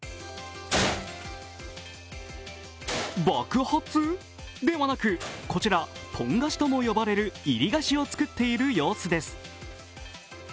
爆発？ではなく、こちら、ポン菓子とも呼ばれるいり菓子を作っている様子です。